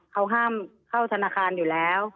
เขาห้ามเข้าธนาคารอยู่แล้ว